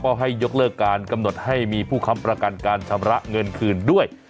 ก็ให้ยกเลิกการกำหนดให้มีผู้ค้ำประกันการชำระเงินคืนด้วย